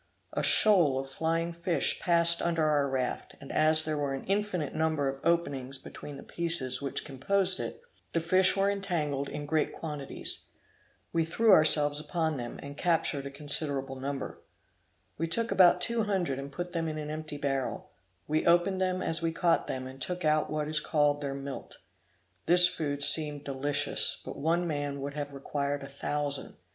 A shoal of flying fish passed under our raft, and as there were an infinite number of openings between the pieces which composed it, the fish were entangled in great quantities. We threw ourselves upon them, and captured a considerable number. We took about two hundred and put them in an empty barrel; we opened them as we caught them, and took out what is called their milt. This food seemed delicious: but one man would have required a thousand.